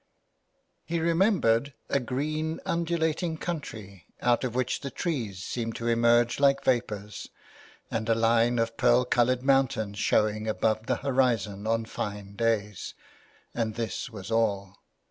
He remembered a green undulating country out of which the trees seemed to emerge like vapours, and a line of pearl coloured mountains showing above the horizon on fine days. And this was all.